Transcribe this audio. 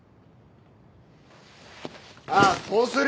ああそうするよ！